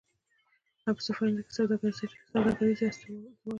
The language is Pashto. آیا په سفارتونو کې سوداګریزې استازولۍ شته؟